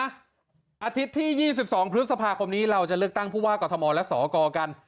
อาทิตย์ที่๒๒พฤษภาคมนี้เราจะเลือกตั้งผู้ว่ากรทมและสกกัน